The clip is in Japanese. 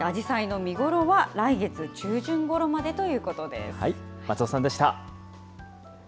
あじさいの見頃は来月中旬ごろまでというこ松尾さんでした。